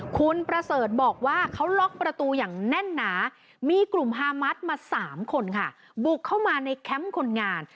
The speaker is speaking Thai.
คุณประเสริฐบอกว่าเขาล็อกประตูอย่างแน่นหนามีกลุ่มฮามัสมา๓คนค่ะบุกเข้ามาในแคมป์คนงาน